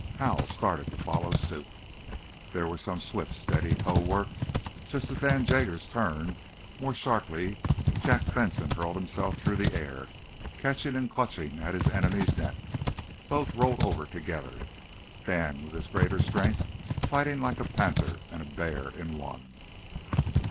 Hal started to follow suit. There was some swift stealthy toe work. Just as Dan Jaggers turned more sharply Jack Benson hurled himself through the air, catching and clutching at his enemy's neck. Both rolled over together, Dan, with his greater strength, fighting like a panther and bear in one.